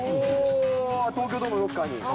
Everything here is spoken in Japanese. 東京ドームのロッカーに？